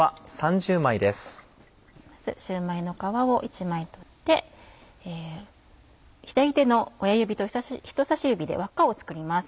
まずシューマイの皮を１枚取って左手の親指と人さし指で輪っかを作ります。